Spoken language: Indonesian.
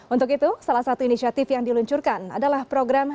untuk itu salah satu inisiatif yang diluncurkan adalah program